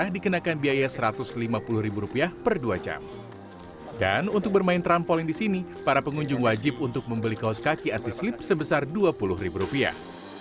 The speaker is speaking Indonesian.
dan untuk bermain trampolin di sini para pengunjung wajib untuk membeli kaos kaki anti slip sebesar dua puluh ribu rupiah